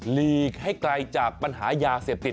ลีกให้ไกลจากปัญหายาเสพติด